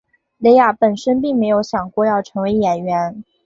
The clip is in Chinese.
蕾雅本身并没有想过要成为演员。